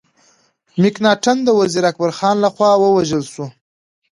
مکناټن د وزیر اکبر خان له خوا ووژل سو.